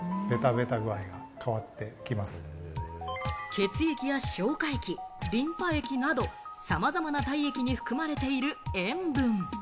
血液や消化液、リンパ液などさまざまな体液に含まれている塩分。